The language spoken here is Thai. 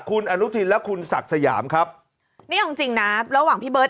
คุณอนุทินและคุณสักษะหย่ำครับ